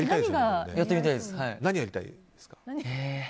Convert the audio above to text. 何やりたいですか？